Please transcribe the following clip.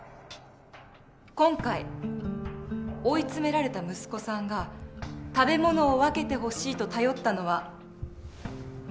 今回追い詰められた息子さんが食べ物を分けてほしいと頼ったのはアリだけでしたね。